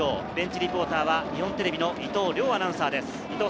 リポーターは日本テレビの伊藤遼アナウンサーです。